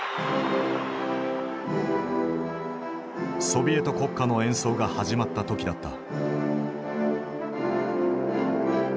ソビエト国歌の演奏が始まった時だった。